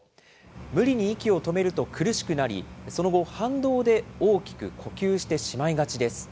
無理に息を止めると苦しくなり、その後、反動で大きく呼吸してしまいがちです。